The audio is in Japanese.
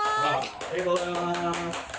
ありがとうございます。